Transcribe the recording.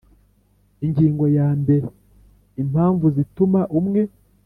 Ingingo ya mbere Impamvu zituma umwe